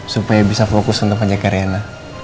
supaya bisa fokus untuk menjaga riana